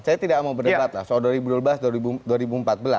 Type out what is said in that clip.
saya tidak mau berdebat lah soal dua ribu dua belas dua ribu empat belas